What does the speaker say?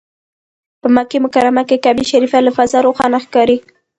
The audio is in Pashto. په مکه مکرمه کې کعبه شریفه له فضا روښانه ښکاري.